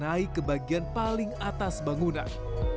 dan ke bagian paling atas bangunan